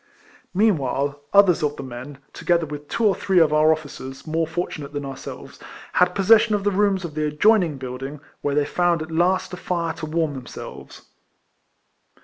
Meanwhile, others of the men, together with two or three of our officers, more fortunate than ourselves, had posses sion of the rooms of the adjoining building, where they found at least a fire to warm them selves.